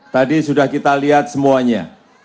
tadi sudah kita lihat semuanya